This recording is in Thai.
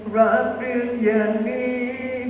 มันถึงเวลาแตกแล้ว